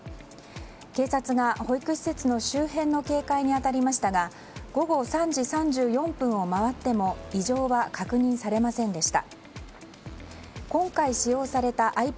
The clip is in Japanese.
警察が保育施設の周辺の警戒に当たりましたが午後３時３４分を回っても異常は確認されませんでした。